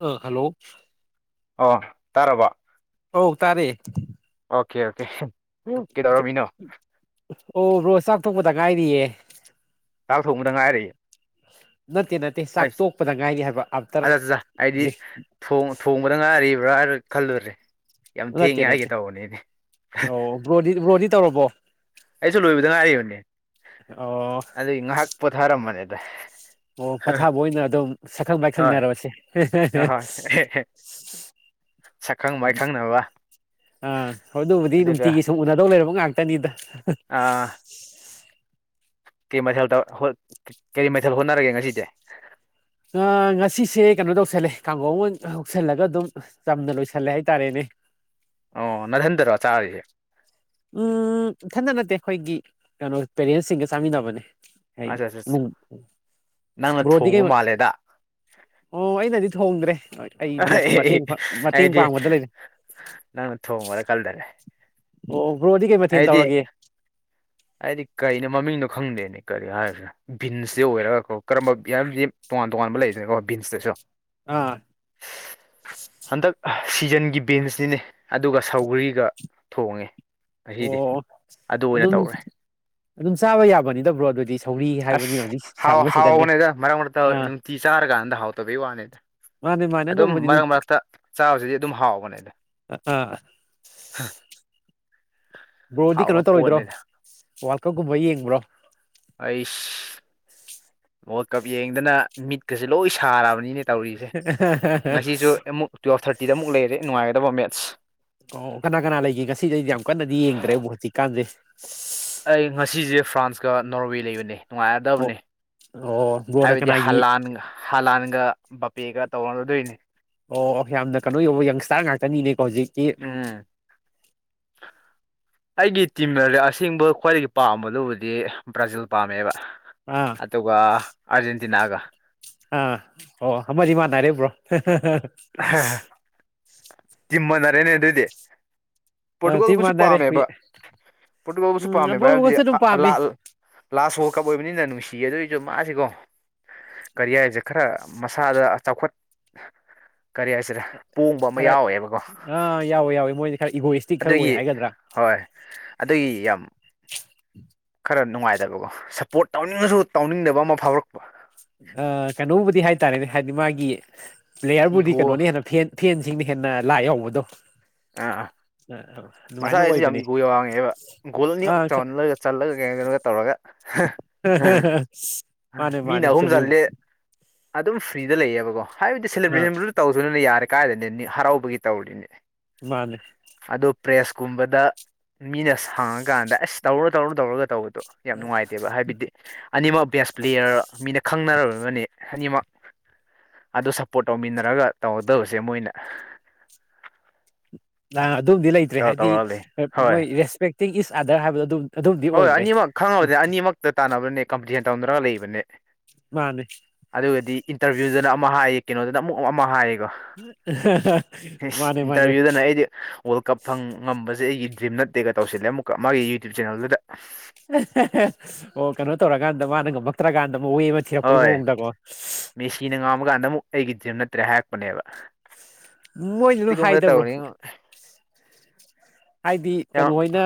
ꯑ ꯍꯂꯣ ꯑꯣ ꯇꯥꯔꯕꯣ ꯑꯧ ꯇꯥꯔꯦ ꯑꯣꯀꯦ ꯑꯣꯀꯦ ꯗꯨ ꯀꯩꯗꯧꯔꯝꯃꯤꯅꯣ ꯑꯣ ꯕ꯭ꯔꯣ ꯆꯥꯛꯊꯣꯛꯄꯗ ꯉꯥꯏꯔꯤꯌꯦ ꯆꯥꯛ ꯊꯣꯡꯕꯗ ꯉꯥꯏꯔꯤ ꯅꯠꯇꯦ ꯅꯠꯇꯦ ꯆꯥꯛ ꯑꯩꯗꯤ ꯇꯣꯛꯄꯗ ꯉꯥꯏꯔꯤ ꯍꯥꯏꯕ ꯑꯥꯐꯇꯔ ꯑꯗꯨꯗꯨꯅ ꯑꯩꯗꯤ ꯊꯣꯡ ꯊꯣꯡꯕꯗ ꯉ ꯥꯏꯔꯤ ꯨꯕ꯭ꯔꯥꯅ ꯈꯜꯂꯨꯔꯦ ꯌꯥꯝ ꯅꯠꯇꯦ ꯊꯦꯡꯉꯦ ꯍꯥꯏꯒꯦ ꯅꯠꯇꯦ ꯇꯧꯕꯅꯤꯅꯦ ꯑꯣ ꯕ꯭ꯔꯣꯗꯤ ꯕ꯭ꯔꯣꯗꯤ ꯇꯧꯔꯕꯣ ꯑꯩꯁꯨ ꯂꯣꯏꯕꯗ ꯉꯥꯏꯔꯤꯌꯦ ꯑꯣ ꯑꯗꯨꯩ ꯉꯥꯍꯥꯛ ꯄꯣꯊꯥꯔꯝꯕꯅꯦꯗ ꯑꯣ ꯄꯣꯊꯥꯕ ꯑꯣꯏꯅ ꯑꯗꯨꯝ ꯁꯛꯈꯪ ꯍꯣꯏ ꯃꯥꯏꯈꯪꯅꯔꯣꯁꯦ ꯍꯣꯏ ꯍꯣꯏ [inaudible] ꯃꯥꯏꯈꯪꯅꯕ ꯑꯥ ꯑꯗꯨꯕꯨꯗꯤ ꯑꯗꯨꯒ ꯅꯨꯡꯇꯤꯒꯤ ꯁꯨꯝ ꯎꯅꯗꯧ ꯂꯩꯔꯕ ꯉꯥꯛ ꯑꯥ ꯀꯩ ꯃꯊꯦꯜꯇꯧ ꯍꯣꯠ ꯀꯔꯤ ꯃꯊꯦꯜ ꯍꯣꯠꯅꯔꯒꯦ ꯉꯁꯤꯗꯤ ꯑ ꯉꯁꯤꯁꯦ ꯀꯩꯅꯣ ꯇꯧꯁꯜꯂꯦ ꯀꯥꯡꯉꯧ ꯑꯃ ꯍꯧꯁꯜꯂꯒ ꯑꯗꯨꯝ ꯆꯝꯅ ꯂꯣꯏꯁꯜꯂꯦ ꯍꯥꯏꯇꯥꯔꯦꯅꯦ ꯑꯣ ꯅꯊꯟꯇꯔꯣ ꯆꯥꯔꯤꯁꯦ ꯎꯝ ꯏꯊꯟꯗ ꯅꯠꯇꯦ ꯑꯩꯈꯣꯏꯒꯤ ꯀꯩꯅꯣ ꯄꯦꯔꯦꯟꯁꯁꯤꯡꯒ ꯆꯥꯃꯤꯟꯅꯕꯅꯦ ꯑꯩ ꯑꯠꯆꯥ ꯆꯥ ꯆꯥ ꯃꯨꯛ ꯅꯪꯅ ꯕꯔꯣꯗꯤ ꯊꯣꯡꯕ ꯀꯩ ꯃꯥꯜꯂꯦꯗ ꯑꯣ ꯑꯩꯅꯗꯤ ꯊꯣꯡꯗ꯭ꯔꯦ ꯑꯩꯅꯁꯨ ꯃꯇꯦꯡ ꯃꯇꯦꯡ ꯑꯩꯗꯤ ꯄꯥꯡꯕꯗ ꯂꯩꯔꯦ ꯅꯪꯅ ꯊꯣꯡꯕ꯭ꯔꯅ ꯀꯜꯂꯦꯅꯦ ꯑꯣ ꯕ꯭ꯔꯣꯗꯤ ꯀꯩ ꯃꯊꯦꯜ ꯑꯩꯗꯤ ꯇꯧꯔꯒꯦ ꯑꯩꯗꯤ ꯀꯩꯅꯣ ꯃꯃꯤꯡꯅꯣ ꯈꯪꯗꯦꯅꯦ ꯀꯔꯤ ꯍꯥꯏꯁꯤꯔ ꯕꯤꯟꯁꯇꯤ ꯑꯣꯏꯔꯒꯀꯣ ꯀꯔꯝꯕ ꯌꯥꯝꯗꯤ ꯇꯣꯉꯥꯟ ꯇꯣꯉꯥꯟꯕ ꯂꯩꯗꯅꯀꯣ ꯕꯤꯟꯁꯇꯁꯨ ꯑꯥ ꯍꯟꯗꯛ ꯁꯤꯖꯟꯒꯤ ꯕꯤꯟꯁꯅꯤꯅꯦ ꯑꯗꯨꯒ ꯁꯧꯒꯔꯤꯒ ꯊꯣꯡꯉꯦ ꯉꯁꯤꯗꯤ ꯑꯣ ꯑꯗꯨ ꯑꯣꯏꯅ ꯑꯗꯨꯝ ꯇꯧꯔꯦ ꯑꯗꯨꯝ ꯆꯥꯕ ꯌꯥꯕꯅꯤꯗ ꯕ꯭ꯔꯣ ꯑꯗꯨꯗꯤ ꯁꯧꯒ꯭ꯔꯤ ꯍꯥꯏꯕꯅꯤꯅ ꯑꯁ ꯍꯧꯖꯤꯛ ꯍꯥꯎ ꯁꯤꯖꯟꯅꯤꯅ ꯍꯥꯎꯕꯅꯦꯗ ꯃꯔꯛ ꯃꯔꯛꯇ ꯑꯥ ꯅꯨꯡꯇꯤ ꯆꯥꯔꯀꯥꯟꯗ ꯍꯥꯎꯇꯕꯩ ꯋꯥꯅꯤꯗ ꯃꯥꯅꯦ ꯃꯥꯅꯦ ꯑꯗꯨꯝ ꯑꯗꯨꯕꯨꯗꯤ ꯃꯔꯛ ꯃꯔꯛꯇ ꯆꯥꯕꯁꯤꯗꯤ ꯑꯗꯨꯝ ꯍꯥꯎꯕꯅꯤꯗ ꯑꯥ ꯕ꯭ꯔꯣꯗꯤ ꯍꯥꯎꯕ ꯀꯩꯅꯣ ꯇꯧꯔꯣꯏꯗ꯭ꯔꯣ ꯄꯣꯠꯅꯤꯗ ꯋꯥꯔꯜ ꯀꯞꯀꯨꯝꯕ ꯌꯦꯡꯕ꯭ꯔꯣ ꯑꯩꯁ ꯋꯥꯔꯜ ꯀꯞ ꯌꯦꯡꯗꯅ ꯃꯤꯠꯀꯁꯦ ꯂꯣꯏ ꯁꯥꯔꯕꯅꯤꯅꯦ ꯇꯧꯔꯤꯁꯦ ꯉꯁꯤꯁꯨ ꯑꯃꯨꯛ ꯇꯨꯌꯦꯜꯞ ꯊꯥꯔꯇꯤꯗ ꯑꯃꯨꯛ ꯂꯩꯔꯦ ꯅꯨꯡꯉꯥꯏꯒꯗꯕ ꯃꯦꯠꯁ ꯑꯣ ꯀꯅꯥ ꯀꯅꯥ ꯂꯩꯒꯦ ꯉꯁꯤꯗꯩꯗꯤ ꯌꯥꯝ ꯀꯟꯅꯗꯤ ꯌꯦꯡꯗ꯭ꯔꯦꯕꯨ ꯍꯧꯖꯤꯛꯀꯥꯟꯁꯦ ꯑꯩ ꯉꯁꯤꯁꯦ ꯐ꯭ꯔꯥꯟꯁꯀ ꯅꯣꯔꯋꯦ ꯂꯩꯕꯅꯦ ꯑꯣ ꯅꯨꯡꯉꯥꯏꯔꯗꯕꯅꯤ ꯑꯣ ꯕ꯭ꯔꯣꯅ ꯍꯥꯏꯕꯗꯤ ꯀꯅꯥꯒꯤ ꯍꯂꯥꯟꯒ ꯍꯂꯥꯟꯒ ꯄꯦꯒ ꯇꯧꯅꯔꯗꯣꯏꯅꯦ ꯑꯣ ꯑꯣ ꯌꯥꯝꯅ ꯀꯩꯅꯣ ꯌꯕ ꯌꯪꯁꯇꯥꯔ ꯉꯥꯛꯇꯅꯤꯅꯦꯀꯣ ꯍꯧꯖꯤꯛꯇꯤ ꯎꯝ ꯑꯩꯒꯤ ꯇꯤꯝ ꯑꯁꯦꯡꯕ ꯈ꯭ꯋꯥꯏꯗꯒꯤ ꯄꯥꯝꯕꯗꯨꯕꯨꯗꯤ ꯕ꯭ꯔꯥꯖꯤꯜ ꯄꯥꯝꯃꯦꯕ ꯑꯥ ꯑꯗꯨꯒ ꯑꯔꯖꯦꯟꯇꯤꯅꯥꯒ ꯑꯥ ꯑꯣ ꯑꯃꯗꯤ ꯃꯥꯅꯔꯦꯕ꯭ꯔꯣ ꯇꯤꯝꯃꯥꯟꯅꯔꯦꯅꯦ ꯑꯗꯨꯗꯤ ꯑ ꯇꯤꯝ ꯄꯣꯔꯇꯨꯒꯜꯕꯨꯁꯨ ꯃꯥꯟꯅꯔꯦ ꯑꯩꯈꯣꯏ ꯄꯥꯝꯃꯦꯕ ꯄꯣꯔꯇꯨꯒꯣꯜꯕꯨꯁꯨ ꯎꯝ ꯄꯥꯝꯃꯦꯕ ꯍꯥꯏꯕꯗꯤ ꯄꯣꯔꯇꯨꯒꯜꯁꯨ ꯑꯗꯨꯝ ꯄꯥꯝꯃꯤ ꯂꯥꯁ ꯋꯥꯔꯜ ꯀꯞ ꯑꯣꯏꯕꯅꯤꯅ ꯅꯨꯡꯁꯤ ꯆꯤ ꯑꯗꯨꯏꯁꯨ ꯃꯥꯁꯤꯀꯣ ꯀꯔꯤ ꯍꯥꯏꯔꯤꯁꯦ ꯈꯔ ꯃꯁꯥꯗ ꯆꯥꯎꯈꯠ ꯀꯔꯤ ꯍꯥꯏꯁꯤꯔꯦ ꯄꯣꯡꯕ ꯑꯃ ꯈꯔ ꯌꯥꯎꯋꯦꯕꯀꯣ ꯑꯥ ꯌꯥꯎꯋꯦ ꯌꯥꯎꯋꯦ ꯃꯣꯏꯗꯤ ꯈꯔ ꯏꯒꯣꯏꯁꯇꯤꯛ ꯈꯔ ꯑꯣꯏ ꯑꯗꯨꯒꯤ ꯍꯥꯏꯒꯗ꯭ꯔꯥ ꯍꯣꯏ ꯑꯗꯨꯒꯤ ꯌꯥꯝ ꯈꯔ ꯅꯨꯡꯉꯥꯏꯗꯕꯀꯣ ꯁꯞꯄꯣꯔꯠ ꯇꯧꯅꯤꯡꯉꯁꯨ ꯇꯧꯅꯤꯡꯗꯕ ꯑꯃ ꯐꯥꯎꯔꯛꯄ ꯑ ꯀꯩꯅꯣꯕꯨꯗꯤ ꯍꯥꯏꯇꯥꯔꯦꯅꯦ ꯍꯥꯏꯗꯤ ꯃꯥꯒꯤ ꯄ꯭ꯂꯦꯌꯥꯔꯕꯨꯗꯤ ꯏꯒꯣ ꯀꯩꯅꯣꯅꯤ ꯍꯦꯟꯅ ꯐ ꯐꯦꯟ ꯁꯤꯡꯅ ꯍꯦꯟꯅ ꯂꯥꯏ ꯌꯥꯎꯕꯗꯣ ꯑ ꯑꯗꯨꯃꯥꯏꯅ ꯃꯁꯥꯒꯤꯁꯨ ꯌꯥꯝ ꯑꯣꯏꯕꯅꯦ ꯏꯒꯣ ꯋꯥꯡꯉꯦꯕ ꯒꯣꯜ ꯑꯅꯤꯃꯛꯛ ꯑꯥ ꯆꯍꯜꯂꯒ ꯆꯠꯂꯒ ꯀꯩꯅꯣ ꯀꯩꯅꯣꯒ ꯇꯧꯔꯒ ꯍ ꯍ ꯍ ꯃꯤꯅ ꯑꯍꯨꯝ ꯆꯜꯂꯦ ꯑꯗꯨꯝ ꯐ꯭ꯔꯤꯗ ꯂꯩꯌꯦꯕꯀꯣ ꯍꯥꯏꯕꯗꯤ ꯑꯥ ꯁꯦꯂꯦꯕ꯭ꯔꯦꯁꯟꯗꯨꯁꯨ ꯇꯧꯔꯁꯅꯨ ꯌꯥꯔꯦ ꯀꯥꯏꯗꯦꯅꯦ ꯍꯔꯥꯎꯕꯒꯤ ꯇꯧꯔꯤꯅꯦ ꯃꯥꯅꯦ ꯑꯗꯣ ꯄ꯭ꯔꯦꯁꯀꯨꯝꯕꯗ ꯃꯤꯅ ꯍꯥꯡꯉꯀꯥꯟꯗ ꯑꯁ ꯇꯧꯔꯨꯔꯨ ꯇꯧꯔꯨ ꯇꯧꯔꯒ ꯇꯧꯕꯗꯣ ꯇꯪꯗꯦ ꯌꯥꯝ ꯅꯨꯡꯉꯥꯏꯇꯦꯕ ꯍꯥꯏꯕꯗꯤ ꯑꯅꯤꯃꯛ ꯕꯦꯁ ꯄ꯭ꯂꯦꯌꯔ ꯃꯤꯅ ꯈꯪꯅꯔꯕꯕꯅꯦ ꯑꯅꯤꯃꯛ ꯑꯗꯨ ꯁꯞꯄꯣꯔꯠ ꯇꯧꯃꯤꯟꯅꯔꯒ ꯇꯧꯒꯗꯕꯁꯦ ꯃꯣꯏꯅ ꯑ ꯑꯗꯨꯝꯗꯤ ꯂꯩꯇ꯭ꯔꯦ ꯇꯧꯔ ꯍꯥꯏꯗꯤ ꯇꯧꯔ ꯂꯩ ꯍꯣꯏ ꯃꯣꯏ ꯔꯦꯁꯄꯦꯛꯇꯤꯡ ꯏꯁ ꯑꯥꯗꯔ ꯍꯥꯏꯕꯗꯣ ꯑꯗꯨꯝ ꯑꯗꯨꯝꯗꯤ ꯍꯣꯏ ꯑꯣꯏꯗ꯭ꯔꯦ ꯑꯅꯤꯃꯛ ꯈꯪꯉꯕꯅꯦ ꯑꯅꯤꯃꯛꯇ ꯇꯥꯟꯅꯕꯅꯦ ꯀꯝꯄ꯭ꯂꯦꯟ ꯇꯧꯅꯔꯒ ꯂꯩꯕꯅꯦ ꯃꯥꯅꯦ ꯑꯗꯨꯒꯗꯤ ꯏꯟꯇꯔꯚꯤꯌꯨꯗꯅ ꯑꯃ ꯍꯥꯏꯌꯦ ꯀꯩꯅꯣꯗꯅ ꯑꯃꯨꯛ ꯑꯃ ꯍꯥꯏꯌꯦ ꯑꯍ ꯏꯁ ꯏꯟꯇꯔꯚꯤꯌꯨꯗꯅ ꯑꯩꯗꯤ ꯋꯥꯔꯜ ꯀꯞ ꯐꯪ ꯉꯝꯕꯁꯦ ꯑꯩꯒꯤ ꯗ꯭ꯔꯤꯝ ꯅꯠ ꯇꯦꯒ ꯇꯧꯁꯤꯜꯂꯦ ꯑꯃꯨꯀ ꯃꯥꯒꯤ ꯌꯨꯇ꯭ꯌꯨꯨꯞ ꯆꯦꯅꯦꯜꯗꯨꯗ ꯑꯣ ꯀꯩꯅꯣ ꯇꯧꯔꯀꯥꯟꯗ ꯃꯥꯅ ꯉꯝꯃꯛꯇ꯭ꯔꯀꯥꯟꯗ ꯋꯦ ꯑꯃ ꯊꯤꯔꯛꯄꯒꯤ ꯍꯣꯏ ꯃꯑꯣꯡꯗꯀꯣ ꯃꯦꯁꯤꯅ ꯉꯥꯝꯃ ꯀꯥꯟꯗ ꯑꯃꯨꯛ ꯑꯩꯒꯤ ꯗꯔ꯭ꯤꯝ ꯅꯠꯇ꯭ꯔꯦ ꯍꯥꯏꯔꯛꯄꯅꯦꯕ ꯃꯣꯏꯁꯨ ꯂꯣꯢꯅ ꯁꯤꯒꯨꯝꯕꯗ ꯍꯥꯏꯗꯕ꯭ꯔꯣ ꯇꯧꯅꯤ ꯍꯥꯏꯗꯤ ꯌꯥꯝ ꯀꯩꯅꯣ ꯑꯣꯏꯅ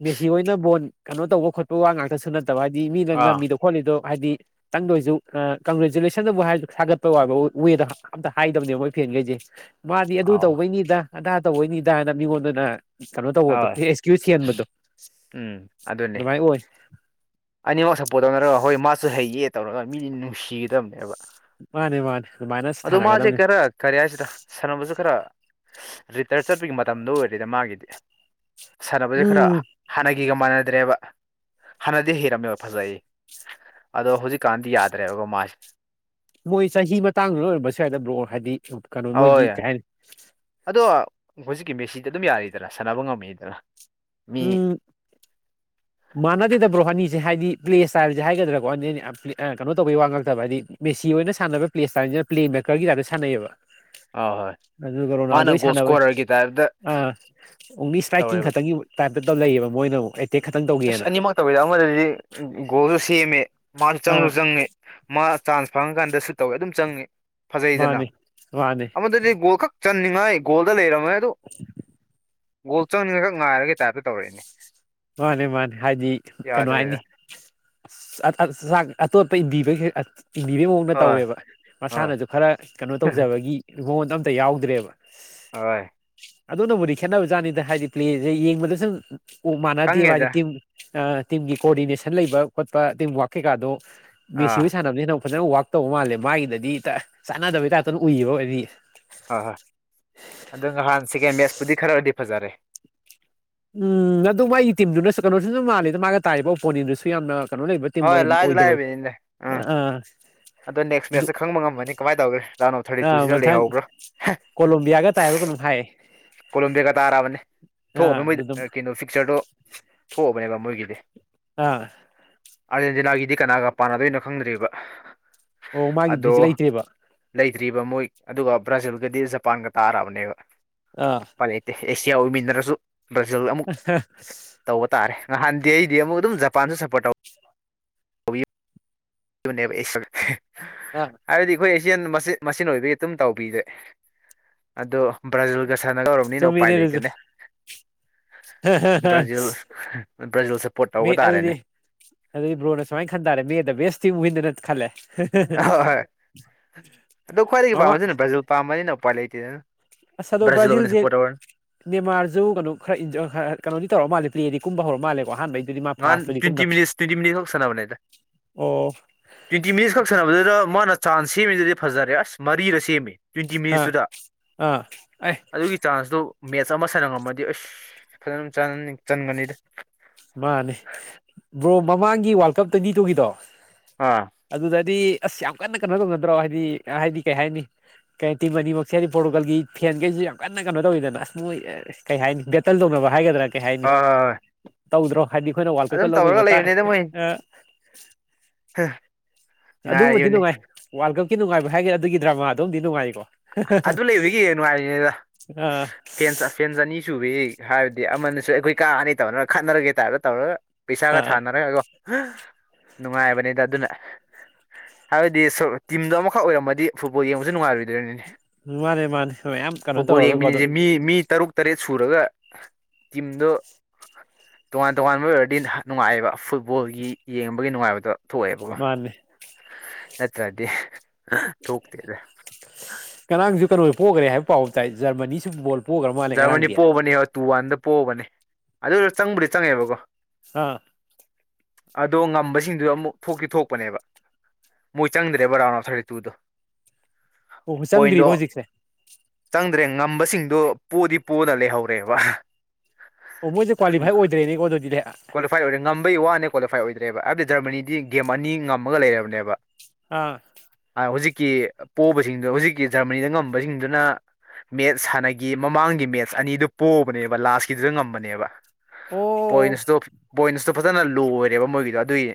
ꯃꯦꯁꯤ ꯑꯣꯏꯅ ꯕꯣꯟ ꯀꯩꯅꯣ ꯇꯧꯕ ꯈꯣꯠꯄ ꯋꯥ ꯉꯥꯛꯇꯁꯨ ꯅꯠꯇꯕ ꯍꯥꯏꯗꯤ ꯃꯤꯅ ꯑꯥ ꯉꯝꯃꯤꯗꯣ ꯈꯣꯠꯂꯤꯗꯣ ꯍꯥꯏꯗꯤ ꯇꯪꯗ ꯑꯣꯏꯁꯨ ꯈꯔ ꯀꯪꯒ꯭ꯔꯆꯨꯂꯦꯁꯟꯗꯕꯨ ꯍꯥꯏꯔꯁꯨ ꯊꯥꯒꯠꯄꯕ ꯌꯥꯕ ꯋꯦꯗ ꯑꯝꯇ ꯍꯥꯏꯗꯕꯅꯦꯕ ꯃꯣꯏ ꯐꯦꯝꯂꯤꯁꯦ ꯃꯥꯗꯤ ꯑꯗꯨ ꯑꯥꯎ ꯇꯧꯕꯩꯅꯤꯗ ꯑꯗꯥ ꯇꯧꯕꯩꯅꯤꯗꯅ ꯃꯤꯉꯣꯟꯗꯅ ꯀꯩꯅꯣ ꯇꯧꯕꯗꯣ ꯍꯣꯏ ꯑꯦꯛꯁꯀ꯭ꯌꯨꯁ ꯊꯤꯍꯟꯕꯗꯣ ꯎꯝ ꯑꯗꯨꯅꯦ ꯑꯗꯨꯃꯥꯏꯅ ꯑꯣꯏ ꯑꯅꯤꯃꯛ ꯁꯞꯄꯣꯔꯠ ꯇꯧꯅꯔꯒ ꯍꯣꯏ ꯃꯥꯁꯨ ꯍꯩꯌꯦ ꯇꯧꯔꯒ ꯃꯤꯅ ꯅꯨꯡꯁꯤꯒꯗꯕꯅꯦꯕ ꯃꯥꯅꯦ ꯃꯥꯅꯦ ꯑꯗꯨꯃꯥꯏꯅ ꯑꯗꯣ ꯃꯥꯁꯦ ꯁꯥꯟꯅꯒꯗꯕꯅꯤ ꯈꯔ ꯀꯔꯤ ꯍꯥꯏꯁꯤꯔꯥ ꯁꯥꯟꯅꯕꯁꯨ ꯈꯔ ꯔꯤꯇꯥꯏꯌꯔ ꯆꯠꯄꯒꯤ ꯃꯇꯝꯗꯣ ꯑꯣꯏꯔꯦꯗ ꯃꯥꯒꯤꯗꯤ ꯁꯥꯟꯅꯕꯁꯦ ꯈꯔ ꯎꯝ ꯍꯅꯅ ꯒꯤꯒ ꯃꯥꯟꯅꯗ꯭ꯔꯦꯕ ꯍꯅ ꯗꯤ ꯍꯩꯔꯝꯃꯦꯕ ꯐꯖꯩ ꯑꯗꯣ ꯍꯧꯖꯤꯛꯀꯥꯟꯗꯤ ꯌꯥꯗ꯭ꯔꯦꯕ ꯃꯥꯁꯦ ꯃꯣꯏ ꯆꯍꯤ ꯃꯇꯥꯡꯗꯨꯅ ꯑꯣꯏꯔꯝꯕꯁꯨ ꯌꯥꯏꯗ ꯕ꯭ꯔꯣ ꯍꯥꯏꯗꯤ ꯀꯩꯅꯣ ꯃꯣꯏꯒꯤ ꯍꯣꯏ ꯀꯩ ꯍꯥꯏꯅꯤ ꯑꯗꯣ ꯍꯧꯖꯤꯛꯀꯤ ꯃꯦꯁꯤꯗ ꯑꯗꯨꯝ ꯌꯥꯔꯤꯗꯅ ꯁꯥꯟꯅꯕ ꯉꯝꯃꯤꯗꯅ ꯃꯤ ꯎꯝ ꯃꯥꯟꯅꯗꯦꯗ ꯕ꯭ꯔꯣ ꯑꯅꯤꯁꯦ ꯍꯥꯏꯗꯤ ꯄ꯭ꯂꯦ ꯁ꯭ꯇꯥꯏꯜꯁꯦ ꯍꯥꯏꯒꯗ꯭ꯔꯥ ꯀꯣ ꯑ ꯀꯩꯅꯣ ꯇꯧꯕꯒꯤ ꯋꯥ ꯉꯥꯛ ꯅꯠꯇꯕ ꯍꯥꯏꯗꯤ ꯃꯦꯁꯤ ꯑꯣꯏꯅ ꯁꯥꯟꯅꯕ ꯄ꯭ꯂꯦ ꯁ꯭ꯇꯥꯏꯜꯁꯤꯅ ꯄ꯭ꯂꯦ ꯀꯔꯒꯤ ꯇꯥꯏꯞ ꯁꯥꯟꯅꯩꯌꯦꯕ ꯑ ꯍꯣꯏ ꯑꯗꯨꯒ ꯃꯥꯅ ꯔꯣꯅꯥꯜꯗꯣꯒꯤ ꯒꯣꯜ ꯁꯥꯟꯅꯕ ꯏꯁꯀꯣꯔꯔꯒꯤ ꯇꯥꯏꯞꯇ ꯑꯥ ꯑꯣꯡꯂꯤ ꯁ꯭ꯇ꯭ꯔꯥꯏꯀꯤꯡ ꯇꯧꯋꯦꯕ ꯈꯛꯇꯒꯤ ꯇꯥꯏꯞꯇ ꯇꯧ ꯂꯩꯌꯦꯕ ꯃꯣꯏꯅ ꯑꯃꯨꯛ ꯑꯦꯇꯦꯛ ꯈꯛꯇꯪ ꯑꯁ ꯇꯧꯒꯦꯅ ꯑꯅꯤꯃꯛ ꯇꯧꯋꯦꯗ ꯑꯃꯗꯗꯤ ꯒꯣꯜꯁꯨ ꯁꯦꯝꯃꯦ ꯃꯥꯁꯨ ꯆꯪꯁꯨ ꯑꯥ ꯆꯪꯉꯦ ꯃꯥ ꯆꯥꯟꯁ ꯐꯪꯉꯀꯥꯟꯗꯁꯨ ꯇꯧꯋꯤ ꯑꯗꯨꯝ ꯆꯪꯉꯤ ꯐꯖꯩꯗꯅ ꯃꯥꯅꯦ ꯃꯥꯅꯦ ꯑꯃꯗꯨꯗꯤ ꯒꯣꯜ ꯈꯛ ꯆꯟꯅꯤꯡꯉꯥꯏ ꯒꯣꯜꯗ ꯂꯩꯔꯝꯃꯦ ꯑꯗꯨ ꯒꯣꯜ ꯆꯪꯒ꯭ꯔ ꯉꯥꯏꯔꯒ ꯇꯥꯏꯞꯇ ꯇꯧꯔꯛꯑꯦꯅꯦ ꯃꯥꯅꯦ ꯃꯥꯅꯦ ꯍꯥꯏꯗꯤ ꯀꯩꯅꯣ ꯍꯥꯏꯅꯤ ꯑꯁ ꯑ ꯆꯥꯛ ꯑꯇꯣꯞ ꯄꯩ ꯕꯤꯕ ꯍꯦꯛ ꯑ ꯏꯟꯕꯤꯕꯒꯤ ꯃꯑꯣꯡꯗ ꯍꯣꯏ ꯇꯧꯋꯦꯕ ꯍꯣꯏ ꯃꯁꯥꯅꯁꯨ ꯈꯔ ꯀꯩꯅꯣ ꯇꯧꯖꯕꯒꯤ ꯕꯣꯟꯁꯨ ꯑꯝꯇ ꯌꯥꯎꯗ꯭ꯔꯦꯕ ꯍꯣꯏ ꯑꯗꯨꯅꯕꯨꯗꯤ ꯈꯦꯠꯅꯕꯖꯥꯠꯅꯤꯗ ꯍꯥꯏꯗꯤ ꯄ꯭ꯂꯦꯁꯦ ꯌꯦꯡꯕꯗ ꯁꯨꯝ ꯄꯣ ꯃꯥꯟꯅꯗꯦꯕ ꯍꯥꯏꯗꯤ ꯈꯪꯉꯦꯗ ꯇꯤꯝ ꯇꯤꯝꯒꯤ ꯀꯣꯑꯣꯔꯗꯤꯅꯦꯁꯟ ꯂꯩꯕ ꯈꯣꯠꯄ ꯇꯤꯝ ꯋꯥꯔꯛ ꯀꯩꯀꯥꯗꯣ ꯃꯦꯁꯤꯕꯨ ꯑꯥ ꯁꯥꯟꯅꯕꯅꯤꯅ ꯐꯖꯅ ꯋꯔꯥꯛ ꯇꯧꯕ ꯃꯥꯜꯂꯦ ꯃꯥꯒꯤꯗꯗꯤ ꯇ ꯆꯥꯟꯅꯗꯕꯩ ꯇꯥꯏꯞꯇꯅ ꯎꯏꯌꯦꯕ ꯑꯦꯕꯤ ꯑꯥ ꯍꯣꯢ ꯑꯗꯨ ꯅꯍꯥꯟ ꯁꯤꯀꯦꯟ ꯃꯦꯠꯆꯄꯨꯗꯤ ꯈꯔꯗꯤ ꯐꯖꯔꯦ ꯎꯝ ꯑꯗꯨ ꯃꯥꯒꯤ ꯇꯤꯝꯗꯨꯅꯁꯨ ꯀꯩꯅꯣꯁꯨ ꯑꯗꯨꯝ ꯃꯥꯂꯦꯗ ꯃꯥꯒ ꯇꯥꯔꯤꯕ ꯑꯣꯄꯣꯅꯦꯟꯗꯨꯁꯨ ꯌꯥꯝꯅ ꯀꯩꯅꯣ ꯂꯩꯕ ꯇꯤꯝ ꯍꯣꯏ ꯑꯣꯢꯔꯝ ꯂꯥꯏꯗꯤ ꯑꯣꯏꯗꯕ ꯂꯥꯏꯔꯤꯕꯅꯤꯅꯦ ꯑꯥ ꯑꯗꯣ ꯅꯦꯛꯁ ꯑꯗꯨ ꯃꯦꯁꯇ ꯈꯪ ꯉꯃꯅꯤ ꯀꯃꯥꯏꯅ ꯇꯧꯒꯦ ꯂꯥꯅꯣ ꯑꯥ ꯊꯥꯔꯇꯤꯇꯨꯁꯤꯗ ꯃꯊꯪ ꯂꯩꯍꯧꯕ꯭ꯔꯥ ꯀꯣꯂꯣꯝꯕꯤꯌꯥꯒ ꯇꯥꯏꯕ ꯀꯩꯅꯣꯝ ꯍꯥꯏ ꯀꯣꯂꯣꯝꯕꯤꯒ ꯇꯥꯔꯕꯅꯤ ꯊꯣꯛꯑꯕꯅꯦ ꯑꯥ ꯑꯗꯨꯗꯨꯝ ꯃꯣꯏ ꯀꯩꯅꯣ ꯐꯤꯛꯆꯔꯗꯣ ꯊꯣꯛꯑꯕꯅꯦꯕ ꯃꯣꯏꯒꯤꯗꯤ ꯑꯥ ꯑꯥꯔꯖꯦꯟꯇꯤꯅꯥꯒꯤꯗꯤ ꯀꯅꯥꯒ ꯄꯥꯟꯅꯗꯣꯏꯅꯣ ꯈꯪꯗ꯭ꯔꯤꯕ ꯑꯣ ꯃꯥꯢꯗꯤ ꯗꯦꯁꯤ ꯂꯩꯇꯦꯕ ꯗ꯭ꯔꯤꯕ ꯃꯣꯏ ꯑꯗꯨꯒ ꯕ꯭ꯔꯥꯖꯤꯜꯒꯗꯤ ꯖꯄꯥꯟꯒ ꯇꯥꯔꯕꯅꯦꯕ ꯑꯥ ꯎꯄꯥꯢ ꯂꯩꯇꯦ ꯑꯦꯁꯤꯌꯥ ꯑꯣꯏꯃꯤꯟꯅꯔꯁꯨ ꯕ꯭ꯔꯥꯖꯤꯜ ꯑꯃꯨꯛ ꯇꯧꯕ ꯇꯥꯔꯦ ꯅꯍꯥꯟꯗꯤ ꯑꯩꯗꯤ ꯑꯃꯨꯛ ꯑꯗꯨꯝ ꯖꯄꯥꯟꯁꯨ ꯁꯞꯄꯣꯔꯠ ꯇꯧ ꯕꯅꯦꯕ ꯑꯦꯛꯁꯜ ꯑꯥ ꯍꯥꯢꯕꯗꯤ ꯑꯩꯈꯣꯏ ꯑꯦꯁꯤꯌꯟ ꯃꯁꯦꯜ ꯑꯣꯏꯕꯒꯤ ꯑꯗꯨꯝ ꯇꯧꯕꯤꯔꯦ ꯑꯗꯣ ꯕ꯭ꯔꯥꯖꯤꯜ ꯒꯁꯥꯟꯅꯒꯧꯔꯕꯅꯤꯅ ꯎꯄꯥꯏ ꯆꯨꯝꯃꯤꯅꯦ ꯑꯗꯨꯁꯨ ꯂꯩꯇꯅꯦ ꯕ꯭ꯔꯥꯖꯤꯜ ꯕ꯭ꯔꯥꯖꯤꯜ ꯁꯞꯄꯣꯔꯠ ꯃꯤ ꯇꯧꯕ ꯑꯗꯨꯗꯤ ꯇꯥꯔꯦꯅꯦ ꯑꯗꯨꯗꯤ ꯕ꯭ꯔꯣꯅ ꯁꯨꯃꯥꯏꯅ ꯈꯟ ꯇꯥꯔꯦ ꯃꯤꯗ ꯕꯦꯁ ꯇꯤꯝ ꯋꯤꯟꯅ ꯅ ꯈꯜꯂꯦ ꯍꯣꯏ ꯍꯣꯏ ꯑꯗꯣ ꯈ꯭ꯋꯥꯏꯗꯒꯤ ꯃꯃꯥ ꯄꯥꯝꯕꯁꯤꯅ ꯕ꯭ꯔꯖꯤꯜ ꯄꯥꯝꯕꯅꯤꯅ ꯎꯄꯥꯏ ꯂꯩꯇꯦꯗꯅ ꯑꯁ ꯑꯗꯣ ꯕ꯭ꯔꯥꯖꯤꯜ ꯑꯣꯏꯅ ꯕ꯭ꯔꯥꯖꯤꯜꯁꯦ ꯁꯞꯄꯣꯔꯠ ꯇꯧꯔꯅꯤ ꯅꯦꯃꯥꯔꯁꯨ ꯀꯩꯅꯣ ꯈꯔ ꯏꯟꯖꯔ ꯀꯩꯅꯣꯗꯤ ꯇꯧꯔ ꯃꯥꯜꯂꯦ ꯄ꯭ꯂꯦꯗꯤ ꯀꯨꯝꯕ ꯍꯧꯔ ꯃꯥꯂꯦ ꯑꯍꯥꯟꯕꯩ ꯅꯍꯥꯟ ꯇ꯭ꯋꯦꯟꯇꯤ ꯃꯤꯅꯤꯠꯁ ꯇ꯭ꯋꯦꯟꯇꯤ ꯃꯤꯅꯤꯠ ꯈꯛ ꯁꯥꯟꯅꯕꯅꯦꯗ ꯑꯣ ꯇ꯭ꯋꯦꯟꯇꯤ ꯃꯤꯅꯤꯠꯁ ꯈꯛ ꯁꯥꯟꯅꯕꯗꯨꯗ ꯃꯥꯅ ꯆꯥꯟꯁ ꯁꯦꯝꯃꯤꯗꯨꯗꯤ ꯐꯖꯔꯦ ꯑꯁ ꯃꯔꯤꯔ ꯁꯦꯝꯃꯦ ꯇ꯭ꯋꯦꯟꯇꯤ ꯑꯥ ꯃꯤꯅꯤꯠꯁꯇꯨꯗ ꯑꯥ ꯑꯦ ꯑꯗꯨꯒꯤ ꯆꯥꯟꯁꯇꯣ ꯃꯦꯠꯆ ꯑꯃ ꯁꯥꯟꯅꯉꯝꯃꯗꯤ ꯑꯁ ꯐꯖꯅ ꯆꯥꯅꯅꯤ ꯆꯟꯒꯅꯤꯗ ꯃꯥꯅꯦ ꯕ꯭ꯔꯣ ꯃꯃꯥꯡꯒꯤ ꯋꯥꯔꯜ ꯀꯞ ꯇ꯭ꯋꯦꯟꯇꯤ ꯇꯨꯒꯤꯗꯣ ꯑꯥ ꯑꯗꯨꯗꯗꯤ ꯑꯁ ꯌꯥꯝ ꯀꯟꯅ ꯀꯩꯅꯣ ꯇꯧꯅꯗ꯭ꯔꯣ ꯍꯥꯏꯗꯤ ꯍꯥꯏꯗꯤ ꯀꯩ ꯍꯥꯏꯅꯤ ꯀꯩ ꯇꯤꯝ ꯑꯅꯤꯃꯛꯁꯦ ꯍꯥꯏꯗꯤ ꯄꯣꯔꯇꯨꯒꯜꯒꯤ ꯐꯦꯟꯈꯩꯁꯤ ꯌꯥꯝ ꯀꯟꯅ ꯀꯩꯅꯣ ꯇꯧꯋꯤꯗꯅ ꯑꯁ ꯀꯩ ꯍꯥꯏꯅꯤ ꯕꯦꯇꯜ ꯇꯧꯅꯕ ꯍꯥꯏꯒꯗ꯭ꯔꯥ ꯀꯩ ꯍꯥꯏꯅꯤ ꯍꯣꯏ ꯍꯣꯏ ꯍꯣꯏ ꯇꯧꯗ꯭ꯔꯣ ꯍꯥꯏꯗꯤ ꯑꯈꯣꯏꯅ ꯋꯥꯜ ꯑꯗꯨꯝ ꯄꯦꯄꯔ ꯂꯧꯕꯩ ꯇꯧꯔꯒ ꯃꯇꯥꯡ ꯍꯦ ꯑꯗꯨꯕꯨꯗꯤ ꯅꯨꯡꯉꯥꯏ ꯋꯥꯔꯜ ꯀꯞꯀꯤ ꯅꯨꯡꯉꯥꯏꯕ ꯍꯥꯏꯒ꯭ꯔꯥ ꯑꯗꯨꯒꯤ ꯗ꯭ꯔꯃꯥꯗꯨꯝꯗꯤ ꯅꯨꯡꯉꯥꯏꯀꯣ ꯑꯗꯨ ꯂꯩꯕꯒꯤ ꯅꯨꯡꯉꯥꯏꯔꯤꯅꯦꯗ ꯑꯥ ꯐꯦꯟ ꯐꯦꯟꯁ ꯑꯅꯤ ꯁꯨꯕꯩ ꯍꯥꯏꯔꯗꯤ ꯑꯃꯅꯁꯨ ꯑꯈꯣꯏ ꯀꯥꯅꯤ ꯇꯧꯅꯔ ꯈꯠꯅꯔꯒꯦ ꯇꯥꯏꯞꯇ ꯇꯧꯔꯒ ꯄꯩꯁꯥꯒ ꯑꯥ ꯊꯥꯅꯔꯒꯀꯣ ꯅꯨꯡꯉꯥꯏꯕꯅꯤꯗ ꯑꯗꯨꯅ ꯍꯥꯏꯕꯗꯤ ꯁꯨꯝ ꯇꯤꯝꯗꯣ ꯑꯃꯈꯛ ꯑꯣꯏꯔꯝꯃꯗꯤ ꯐꯨꯠꯕꯣꯜ ꯌꯦꯡꯕꯁꯨ ꯅꯨꯡꯉꯥꯏꯔꯣꯏꯗꯣꯏꯅꯤꯅꯦ ꯃꯥꯅꯦ ꯃꯥꯅꯦ ꯃꯌꯥꯝ ꯀꯩꯅꯣ ꯐꯨꯠꯕꯣꯜ ꯌꯦ ꯇꯧꯔꯒꯀꯣ ꯑꯗꯨ ꯃꯤꯅꯦꯁꯦ ꯃꯤ ꯃꯤ ꯇꯔꯨꯛ ꯇꯔꯦꯠ ꯁꯨꯔꯒ ꯇꯤꯝꯗꯣ ꯇꯣꯉꯥꯟ ꯇꯣꯉꯥꯟꯕ ꯑꯣꯏꯔꯗꯤ ꯅꯨꯡꯉꯥꯏꯑꯕ ꯐꯨꯠꯕꯣꯜꯒꯤ ꯌꯦꯡꯕꯒꯤ ꯅꯨꯡꯉꯥꯏꯕꯗꯣ ꯊꯣꯛꯑꯦꯕꯀꯣ ꯃꯥꯅꯦ ꯅꯠꯠꯔꯗꯤ ꯊꯣꯛꯇꯦꯗꯥ ꯄꯣꯒꯔꯦ ꯍꯥꯏꯕ ꯄꯥꯎ ꯇꯥꯏ ꯖꯔꯃꯅꯤꯁꯨ ꯕꯣꯜ ꯄꯣꯛꯈ꯭ꯔ ꯃꯥꯜꯂꯦ ꯖꯔꯃꯅꯤ ꯉꯔꯥꯡꯗꯤ ꯄꯣꯕꯅꯦ ꯇꯨ ꯋꯥꯟꯗ ꯄꯣꯕꯅꯦ ꯑꯗꯨ ꯆꯪꯕꯨꯗꯤ ꯆꯪꯉꯦꯕꯀꯣ ꯑꯥ ꯑꯗꯣ ꯉꯝꯕꯁꯤꯡꯗꯨ ꯑꯃꯨꯛ ꯊꯣꯛꯇꯤ ꯊꯣꯛꯄꯅꯦꯕ ꯃꯣꯏ ꯆꯪꯗ꯭ꯔꯦꯕ ꯊꯥꯔꯇꯤ ꯇꯨꯗꯣ ꯑꯣ ꯆꯪꯗ꯭ꯔꯤꯕ ꯍꯧꯖꯤꯛꯁꯦ ꯉꯝꯕꯁꯤꯡꯗꯣ ꯄꯣꯗꯤ ꯄꯣꯅ ꯂꯩꯍꯧꯔꯦꯕ ꯑꯣ ꯃꯣꯏꯁꯦ ꯎꯝ ꯀ꯭ꯋꯥꯂꯤꯐꯥꯏ ꯑꯣꯏꯗ꯭ꯔꯦꯅꯦꯀꯣ ꯑꯗꯨꯗꯤꯅꯦ ꯑꯥ ꯀꯋꯥꯂꯤꯐꯥꯏ ꯑꯣꯏ ꯉꯝꯕꯩ ꯋꯥꯅꯤ ꯀ꯭ꯋꯥꯂꯤꯐꯥꯏ ꯑꯣꯏꯗ꯭ꯔꯦꯕ ꯍꯥꯏꯕꯗꯤ ꯖꯔꯃꯅꯤꯗꯤ ꯒꯦꯝ ꯑꯅꯤ ꯉꯝꯃꯒ ꯂꯩꯔꯕꯅꯦꯕ ꯑꯥ ꯀ ꯄꯣꯕꯁꯤꯡꯗꯣ ꯍꯧꯖꯤꯛꯀꯤ ꯖꯔꯃꯅꯤꯗ ꯉꯝꯕꯁꯤꯡꯗꯨꯅ ꯃꯦꯠꯁ ꯁꯅꯥꯒꯦ ꯃꯃꯥꯡꯒꯤ ꯃꯦꯠꯁ ꯑꯅꯤꯗꯨ ꯄꯣꯛꯕꯅꯦꯕ ꯂꯥꯁꯀꯤꯗꯨꯗ ꯉꯝꯕꯅꯦꯕ ꯑꯣ ꯄꯣꯏꯟꯁ ꯇꯣ ꯄꯣꯏꯟꯁ ꯇꯣ ꯐꯖꯅ ꯂꯣ ꯑꯣꯏꯔꯦꯕ ꯃꯣꯏꯒꯤꯗꯣ ꯑꯗꯨꯒꯤ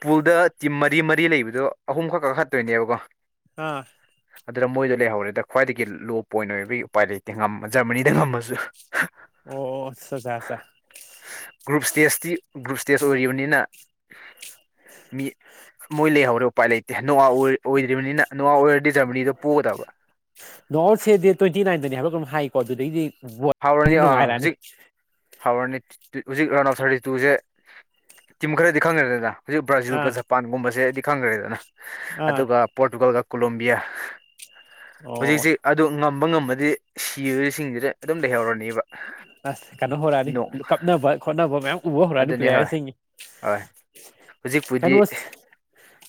ꯄꯨꯜꯗ ꯇꯤꯝ ꯃꯔꯤ ꯃꯔꯤ ꯂꯩꯕꯗꯣ ꯑꯍꯨꯝꯈꯛ ꯈꯍꯠꯇꯣꯏꯅꯦꯕꯀꯣ ꯍꯥꯥ ꯑꯗꯨꯅ ꯃꯣꯏꯗ ꯂꯩꯍꯧꯔꯦꯗ ꯈ꯭ꯋꯥꯏꯗꯒꯤ ꯂꯣ ꯄꯣꯏꯟ ꯑꯣꯏꯕꯒꯤ ꯎꯄꯥꯏ ꯂꯩꯇꯦ ꯖꯔꯃꯅꯤꯗ ꯉꯝꯃꯁꯨ ꯑꯣꯁ ꯒ꯭ꯔꯨꯞ ꯏꯁꯇꯦꯖꯇꯤ ꯒ꯭ꯔꯨꯞ ꯏꯁꯇꯦꯖ ꯑꯣꯏꯔꯤꯕꯅꯤꯅ ꯃꯤ ꯃꯣꯏ ꯂꯩꯍꯧꯔꯦ ꯎꯄꯥꯏ ꯂꯩ ꯏꯑ ꯅꯣꯑ ꯑꯣꯏ ꯑꯣꯍꯗꯔꯤꯕꯅꯤꯅ ꯅꯣꯑ ꯑꯣꯏꯔꯗꯤ ꯖꯔꯃꯥꯅꯤ ꯗꯣ ꯄꯣꯒꯗꯕ [unintelligible] ꯑꯗꯨꯒꯤ ꯗ ꯍꯥꯎꯔꯅꯤ ꯋꯥꯔꯤ ꯑꯥ ꯅꯨꯡꯈꯥꯏ ꯔꯒꯑꯅꯤ ꯍꯧꯖꯤꯛ ꯍꯥꯎꯔꯅꯤ ꯍꯧꯖꯤꯛ ꯔꯑꯣꯟ ꯎꯐ ꯊꯥꯔꯇꯤ ꯇꯨꯁꯦ ꯇꯤꯝ ꯈꯔꯗꯤ ꯈꯪꯅꯔꯦꯅ ꯍꯧꯖꯤꯛ ꯕ꯭ꯔꯥꯖꯤꯜꯒ ꯑꯥ ꯖꯄꯥꯟꯒꯨꯝꯕꯁꯦꯗꯤ ꯈꯪꯈ꯭ꯔꯦꯗꯅ ꯑꯥ ꯑꯗꯨꯒ ꯄꯣꯔꯇꯨꯒꯜꯒ ꯀꯣꯂꯣꯝꯕꯤꯌꯥ ꯑꯣ ꯍꯧꯖꯤꯛꯁꯤ ꯑꯗꯨ ꯉꯝꯕ ꯉꯝꯕꯗꯤ ꯁꯤꯕꯁꯤꯡꯁꯤꯗ ꯑꯗꯨꯝ ꯂꯩꯍꯧꯔꯅꯦꯕ ꯑꯁ ꯀꯩꯅꯣ ꯍꯧꯔꯛꯑꯅꯤ ꯅꯣꯡ ꯀꯞꯅꯕ ꯈꯣꯠꯅꯕ ꯃꯌꯥꯝ ꯎꯕ ꯍꯧꯔꯅꯤ ꯑꯗꯨꯅꯦ ꯍꯣꯏ ꯄ꯭ꯂꯦꯌꯔꯁꯤꯡ ꯍꯣꯏ ꯀꯩꯅꯣ ꯍꯧꯖꯤꯛꯄꯨꯗꯤ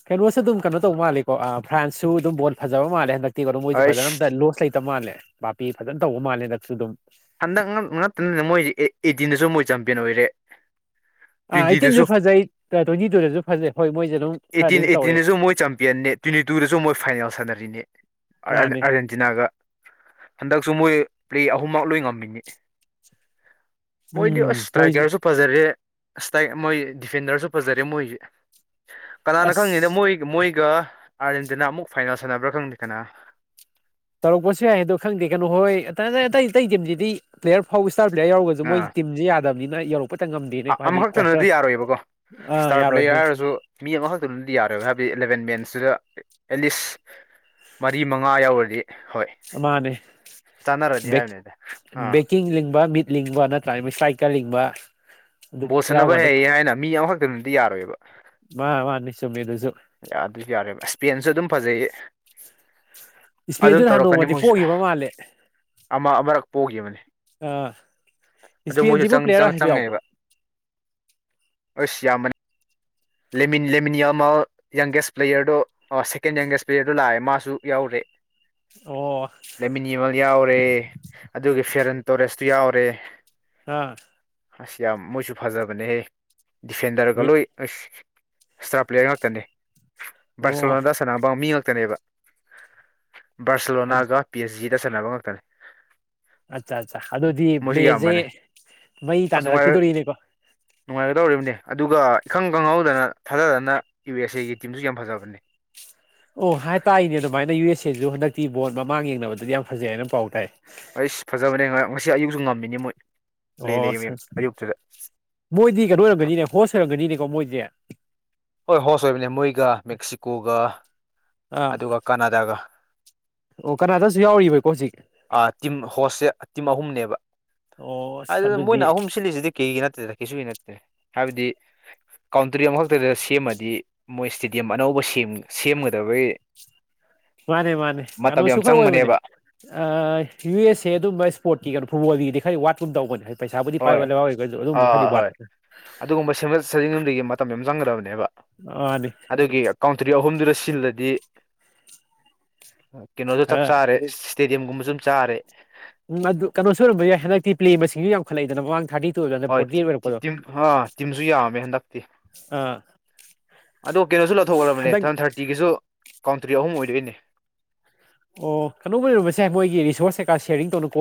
ꯀꯩꯅꯣꯁꯨ ꯑꯗꯨꯝ ꯀꯩꯅꯣ ꯇꯧꯕ ꯃꯥꯜꯂꯦꯀꯣ ꯑꯥ ꯐ꯭ꯔꯥꯟꯁꯁꯨ ꯑꯗꯨꯝ ꯕꯣꯜ ꯐꯖꯕ ꯃꯥꯜꯂꯦ ꯍꯟꯗꯛ ꯃꯣꯏꯁꯦ ꯐꯖꯅ ꯑꯁ ꯑꯝꯇ ꯂꯣꯁ ꯂꯩꯇꯕ ꯃꯥꯜꯂꯦ ꯄꯥꯥꯄꯦ ꯐꯖꯅ ꯇꯧꯕ ꯃꯥꯜꯂꯦ ꯍꯟꯗꯛꯁꯨ ꯑꯗꯨꯝ ꯍꯟꯗꯛ ꯉꯛ ꯉꯇꯅ ꯃꯣꯏ ꯑꯦꯇꯤꯅꯁꯨ ꯃꯣꯏ ꯆꯝꯄꯤꯌꯟ ꯑꯣꯏꯔꯦ ꯑꯥ ꯇ꯭ꯋꯦꯟꯇꯤꯗꯁꯨ ꯑꯩꯠꯇꯤꯟꯁꯨ ꯐꯖꯩ ꯇ꯭ꯋꯦꯟꯇꯤ ꯇꯨꯗꯁꯨ ꯐꯖꯩ ꯍꯣꯏ ꯃꯣꯏꯁꯦ ꯑꯗꯨꯝ ꯈꯔꯗꯤ ꯑꯩꯠꯇꯤꯅ ꯑꯗꯨꯝ ꯇꯧꯔꯛꯑꯦ ꯑꯩꯠꯇꯤꯟꯗꯁꯨ ꯃꯣꯏ ꯆꯝꯄꯤꯌꯟꯅꯦ ꯇꯨꯗꯁꯨ ꯃꯣꯏ ꯐꯥꯏꯅꯦꯜ ꯁꯥꯟꯅꯔꯤꯅꯦ ꯃꯥꯅꯦ ꯑꯥꯔꯖꯦꯟꯇꯤꯅꯥꯒ ꯍꯟꯗꯛ ꯃꯣꯏ ꯄ꯭ꯂꯦ ꯑꯍꯨꯝꯃꯛ ꯂꯣꯏ ꯉꯝꯃꯤꯅꯦ ꯃꯣꯏꯗꯤ ꯎꯝ ꯑꯁ ꯃꯣꯏꯁꯦ ꯇ꯭ꯔꯥꯏꯀꯔꯁꯨ ꯐꯖꯔꯦ ꯑꯁꯇ ꯃꯣꯏ ꯗꯤꯐꯦꯟꯗꯔꯁꯨ ꯐꯖꯔꯦ ꯃꯣꯏꯁꯦ ꯀꯅꯥꯅ ꯑꯁ ꯈꯪꯉꯤꯅ ꯃꯣꯏ ꯃꯣꯏꯒ ꯑꯥꯔꯖꯦꯟꯇꯤꯅꯥ ꯑꯃꯨꯛ ꯐꯥꯏꯅꯦꯜ ꯁꯥꯟꯅꯕ꯭ꯔꯥ ꯈꯪꯗꯦ ꯀꯅꯥ ꯇꯧꯔꯛꯄꯁꯨ ꯌꯥꯏ ꯍꯥꯏꯗꯣ ꯈꯪꯗꯦ ꯀꯩꯅꯣ ꯍꯣꯏ ꯑꯇꯩ ꯑꯇꯩ ꯇꯤꯝꯁꯤꯗꯤ ꯄ꯭ꯂꯦꯌꯔ ꯐꯥꯎꯕ ꯏꯁꯇꯥꯔ ꯄ꯭ꯂꯦꯌꯥꯔ ꯌꯥꯎꯔꯒꯁꯨ ꯃꯣꯏ ꯑꯥ ꯇꯤꯝꯁꯦ ꯌꯥꯗꯅꯤꯅ ꯌꯧꯔꯛꯄ ꯑꯃꯈꯛꯇꯅꯗꯤ ꯌꯥꯔꯣꯏꯕꯀꯣ ꯑꯥ ꯏꯁ꯭ꯇꯥꯔ ꯌꯥꯔꯣꯏꯍꯦ ꯄ꯭ꯂꯦꯌꯔ ꯍꯥꯏꯔꯁꯨ ꯃꯤ ꯑꯃꯈꯛꯇꯅꯗꯤ ꯌꯥꯔꯣꯏꯕ ꯍꯥꯏꯕꯗꯤ ꯑꯦꯂꯕꯦꯟ ꯃꯦꯟꯁ ꯁꯤꯗ ꯑꯦꯠꯂꯤꯁ ꯃꯔꯤ ꯃꯉꯥ ꯌꯧꯔꯗꯤ ꯃꯥꯅꯦ ꯆꯥꯟꯅꯔꯗꯤ ꯍꯥꯏꯕꯅꯤꯗ ꯑꯥ ꯕꯦꯀꯤꯡ ꯂꯤꯡꯕ ꯃꯤꯠ ꯂꯤꯡꯕ ꯅꯠꯇ꯭ꯔꯥꯒ ꯃꯣꯏ ꯏꯁꯇꯕꯔꯥꯏꯛꯀꯔ ꯂꯤꯡꯕ ꯑꯗꯨ ꯕꯣꯜ ꯁꯅꯕ ꯌꯥꯎꯀꯥꯟꯗ ꯍꯩ ꯍꯥꯏꯅ ꯃꯤ ꯑꯃꯈꯛꯇꯅꯇ ꯌꯥꯔꯣꯏꯕ ꯃꯥ ꯃꯥꯅꯤ ꯆꯨꯝꯃꯦ ꯑꯗꯨꯁꯨ ꯑꯗꯨꯁꯨ ꯌꯥꯔꯦꯕ ꯏꯁꯄꯦꯟ ꯁꯨ ꯗꯨꯝ ꯐꯖꯩꯌꯦ ꯑꯗꯨꯝ ꯏꯁꯄꯦꯟꯗꯨꯅ ꯍꯥꯟ ꯇꯧꯔꯛꯀꯅꯤ ꯅꯣꯡꯃꯗꯤ ꯃꯣꯏꯁꯨ ꯄꯣꯛꯈꯤꯕ ꯃꯥꯜꯂꯦ ꯑꯃ ꯑꯃꯨꯔꯛ ꯄꯣꯛꯈꯤꯕꯅꯤ ꯑꯥ ꯑꯗꯨ ꯏꯁꯄꯦꯟꯁꯤꯕꯨ ꯃꯣꯏꯁꯨꯪ ꯄ꯭ꯂꯦꯌꯔ ꯑꯍꯩꯕ ꯌꯥꯎꯕ꯭ꯔꯣ ꯆꯪꯉꯦꯕ ꯑꯩ ꯁꯤ ꯌꯥꯝꯕꯅꯤ ꯂꯦꯃꯤꯅ ꯂꯦꯃꯤꯟꯌꯥ ꯑꯃ ꯌꯪꯒꯦꯁ ꯄ꯭ꯂꯦꯌꯔꯗꯣ ꯁꯦꯀꯦꯟ ꯌꯪꯒꯦꯁ ꯄ꯭ꯂꯦꯌꯔꯗꯣ ꯂꯥꯛꯑꯦ ꯃꯥꯁꯨ ꯌꯥꯎꯔꯦ ꯑꯣ ꯂꯩꯃꯤꯟ ꯌꯦꯃꯜ ꯌꯥꯎꯔꯦ ꯑꯗꯨꯒ ꯐꯦꯔꯟ ꯇꯣꯔꯦꯁꯇꯨ ꯌꯥꯎꯔꯦ ꯑꯥ ꯑꯁ ꯌꯥꯝ ꯃꯣꯏꯁꯨ ꯐꯖꯕꯅꯦꯍꯦ ꯗꯤꯐꯦꯟꯗꯔꯒ ꯂꯣꯏ ꯑꯁ ꯏꯁꯇꯥꯔ ꯄ꯭ꯂꯦꯌꯔ ꯉꯥꯛꯇꯅꯦ ꯑꯣ ꯕꯥꯔꯁꯣꯂꯣꯅꯥꯗ ꯁꯅꯥꯅꯕ ꯃꯤ ꯉꯇ ꯉꯇꯅꯦꯕ ꯕꯥꯔꯁꯤꯂꯣꯅꯥꯒ ꯄꯤ ꯑꯩꯆ ꯖꯤꯗ ꯁꯥꯟꯅꯕ ꯉꯥꯛꯇꯅꯦ ꯑꯠꯆꯥ ꯑꯠꯆꯥ ꯑꯗꯨꯗꯤ ꯃꯣꯏꯁꯨ ꯕꯄꯂꯦꯁꯦ ꯌꯥꯝꯕꯅꯦ ꯃꯩ ꯑꯁ ꯅꯨꯡꯉꯥꯏ ꯇꯥꯟꯅꯔꯛꯈꯤꯗꯣꯔꯤꯅꯦꯀꯣ ꯅꯨꯡꯉꯥꯏꯒꯗꯧꯔꯤꯕꯅꯦ ꯑꯗꯨꯒ ꯏꯈꯪ ꯈꯪꯍꯧ ꯅ ꯊꯥꯖꯗꯅ ꯌꯨ ꯑꯦꯁ ꯑꯦꯒꯤ ꯇꯤꯝꯁꯨ ꯌꯥꯝ ꯐꯖꯕꯅꯤ ꯑꯣ ꯍꯥꯏ ꯇꯥꯏꯅꯦ ꯑꯗꯨꯃꯥꯏꯅ ꯌꯨ ꯑꯦꯁ ꯑꯦꯁꯨ ꯍꯟꯗꯛꯇꯤ ꯕꯣꯜ ꯃꯃꯥꯡ ꯌꯦꯡꯅꯕꯗꯗꯤ ꯌꯥꯝ ꯐꯖꯩ ꯍꯥꯏꯅ ꯄꯥꯎ ꯇꯥꯏ ꯑꯩꯁ ꯐꯖꯕꯅꯦ ꯉꯁꯤ ꯑꯌꯨꯛꯁꯨ ꯉꯝꯃꯤꯅꯤ ꯃꯣꯏ ꯂꯩ ꯑꯣ ꯂꯩ ꯑ ꯑꯌꯨꯛꯇꯨꯗ ꯃꯣꯏꯗꯤ ꯀꯩꯅꯣ ꯑꯣꯏꯔꯝꯒꯅꯤꯅꯦ ꯍꯣꯁ ꯑꯣꯏꯔꯝꯒꯅꯤꯅꯦ ꯃꯣꯏꯖꯦ ꯍꯣꯏ ꯍꯣꯁ ꯑꯣꯏꯕꯅꯦ ꯃꯣꯏꯒ ꯃꯦꯛꯁꯤꯀꯣꯒ ꯑꯗꯨꯒ ꯀꯅꯥꯗꯥꯒ ꯑꯣ ꯀꯅꯥꯗꯁꯨ ꯌꯥꯎꯔꯤꯕꯕ ꯀꯣꯁꯤ ꯇꯤꯝ ꯍꯣꯁꯁꯦ ꯇꯤꯝ ꯑꯍꯨꯝꯅꯦꯕ ꯑꯣ ꯑꯁ ꯑꯗꯨꯅ ꯑꯗꯨꯗꯤ ꯃꯣꯏꯅ ꯑꯍꯨꯝ ꯁꯤꯜꯂꯤꯁꯤꯗꯤ ꯀꯩꯒꯤ ꯅꯠꯇꯦꯗ ꯀꯩꯁꯨꯒꯤ ꯅꯠꯇꯦ ꯍꯥꯏꯕꯗꯤ ꯀꯟꯇ꯭ꯔꯤ ꯑꯃꯈꯛꯇꯗ ꯁꯦꯝꯃꯗꯤ ꯃꯣꯏ ꯏꯁꯇꯦꯗꯤꯌꯝ ꯑꯅꯧꯕ ꯁꯦꯝ ꯁꯦꯝꯒꯗꯕꯒꯤ ꯃꯥꯅꯦ ꯃꯥꯅꯦ ꯃꯇꯝ ꯌꯥꯝ ꯀꯩꯅꯣꯁꯨ ꯈꯔ ꯑꯣꯏꯕꯅꯦ ꯆꯪꯕꯅꯦꯕ ꯑ ꯌꯨ ꯑꯦꯁ ꯑꯦ ꯑꯗꯨꯝꯕ ꯏꯁꯄꯣꯔꯠꯀꯤ ꯀꯩꯅꯣ ꯐꯨꯠꯕꯣꯜꯒꯤꯗꯤ ꯈ ꯋꯥꯠꯀꯨꯝ ꯇꯧꯕꯅꯤ ꯍꯥꯏ ꯍꯣꯏ ꯑꯥ ꯍꯣꯏ ꯑꯗꯨꯒꯨꯝꯕ ꯁꯦꯝꯒꯠ ꯁꯥꯖꯤꯗꯒꯤ ꯆꯪꯒꯗꯕꯅꯦꯕ ꯃꯥꯅꯤ ꯑꯗꯨꯒꯤ ꯀꯥꯎꯟꯇ꯭ꯔꯤ ꯑꯍꯨꯝꯗꯨꯗ ꯁꯤꯜꯂꯗꯤ ꯀꯩꯅꯣꯁꯨ ꯆꯞ ꯈꯔ ꯆꯥꯔꯦ ꯏꯁꯇꯦꯗꯤꯌꯝꯒꯨꯝꯕ ꯁꯨꯝ ꯆꯥꯔꯦ ꯎꯝ ꯑꯗꯨ ꯀꯩꯅꯣꯁꯨ ꯑꯣꯏꯔꯝꯕ ꯌꯥꯏ ꯍꯟꯗꯛꯇꯤ ꯄ꯭ꯂꯦ ꯃꯁꯤꯡꯁꯨ ꯌꯥꯝꯈꯠꯂꯛꯏꯗꯅ ꯃꯃꯥꯡ ꯍꯣꯏ ꯊꯥꯔꯇꯤ ꯇꯤꯝ ꯑꯥ ꯇꯤꯝꯁꯨ ꯌꯥꯝꯃꯦ ꯍꯟꯗꯛꯇꯤ [unintelligible] ꯑꯗꯣ ꯀꯩꯅꯣꯁꯨ ꯂꯧꯊꯣꯛꯈꯕꯅꯦ ꯍꯟꯗꯛ ꯊꯝ ꯊꯥꯔꯇꯤꯒꯤꯁꯨ ꯀꯥꯎꯟꯇ꯭ꯔꯤ ꯑꯍꯨꯝ ꯑꯣꯏꯗꯣꯏꯅꯦ ꯑꯣ ꯀꯩꯅꯣ ꯑꯣꯏꯔꯨꯔꯁꯦ ꯃꯣꯏꯒꯤ ꯔꯤꯁꯣꯔꯁ ꯀꯩꯀꯥ ꯁꯦꯌꯥꯔꯤꯡ ꯇꯧꯅ ꯀꯣ